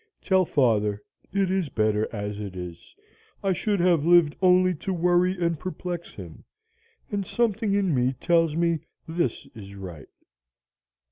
Tell father it is better as it is. I should have lived only to worry and perplex him, and something in me tells me this is right.'